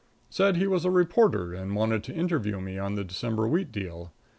Said he was a reporter and wanted to interview me on the December wheat deal.